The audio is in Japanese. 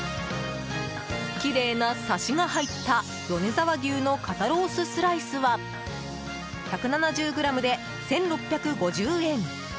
きれいなサシが入った米沢牛の肩ローススライスは１７０ｇで１６５０円。